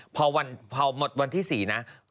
พอวันที่๔นะ